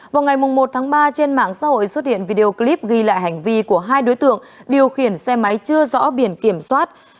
vào ngày một tháng ba trên mạng xã hội xuất hiện video clip ghi lại hành vi của hai đối tượng điều khiển xe máy chưa rõ biển kiểm soát